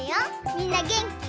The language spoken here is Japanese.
みんなげんき？